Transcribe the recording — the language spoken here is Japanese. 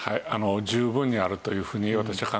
十分にあるというふうに私は考えています。